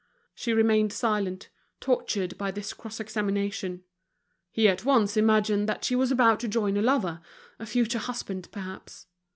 She remained silent, tortured by this cross examination. He at once imagined that she was about to join a lover, a future husband perhaps.